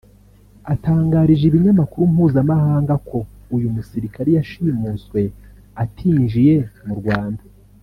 atangarije ibinyamakuru mpuzamahanga ko uyu musirikare yashimuswe atinjiye mu Rwanda